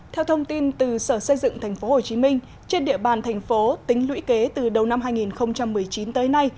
theo thông tin từ sở xây dựng tp hcm trên địa bàn thành phố tính lũy kế từ đầu năm hai nghìn một mươi chín tới nay